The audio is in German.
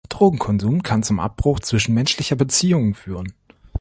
Drogenkonsum kann zum Abbruch zwischenmenschlicher Beziehungen führen.